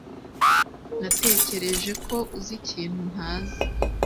Natekereje ko uzi ikintu ntazi.